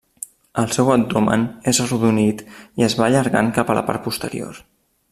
El seu abdomen és arrodonit i es va allargant cap a la part posterior.